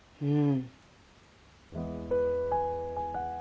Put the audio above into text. うん。